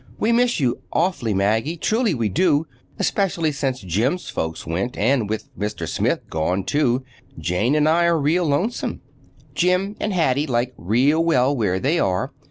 We miss you awfully, Maggie,—truly we do, especially since Jim's folks went, and with Mr. Smith gone, too, Jane and I are real lonesome. Jim and Hattie like real well where they are.